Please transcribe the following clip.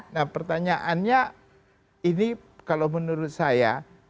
nah pertanyaannya ini kalau menurut saya